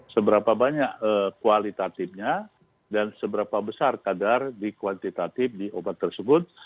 seberapa banyak kualitatifnya dan seberapa besar kadar di kuantitatif di obat tersebut